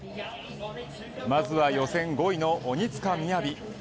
まずは予選５位の鬼塚雅。